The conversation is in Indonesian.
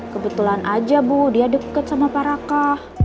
kebetulan aja bu dia deket sama pak raka